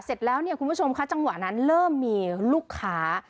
เสร็จแล้วเนี่ยคุณผู้ชมคะจังหวะนั้นเริ่มมีลูกค้า